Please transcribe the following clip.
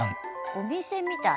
お店みたい。